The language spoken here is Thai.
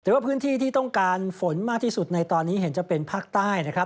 แต่ว่าพื้นที่ที่ต้องการฝนมากที่สุดในตอนนี้เห็นจะเป็นภาคใต้นะครับ